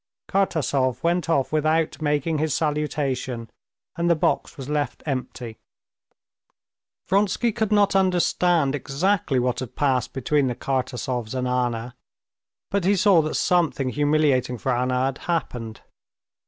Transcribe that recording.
Kartasov went out without making his salutation, and the box was left empty. Vronsky could not understand exactly what had passed between the Kartasovs and Anna, but he saw that something humiliating for Anna had happened.